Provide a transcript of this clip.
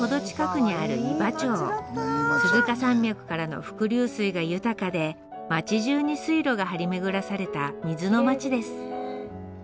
鈴鹿山脈からの伏流水が豊かで町じゅうに水路が張り巡らされた水の町です。